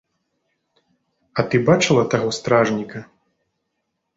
А ты бачыла таго стражніка?